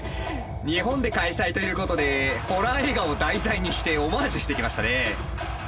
日本で開催ということでホラー映画を題材にしてオマージュしてきましたね。